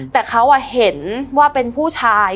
แต่เขาเห็นว่าเป็นผู้ชาย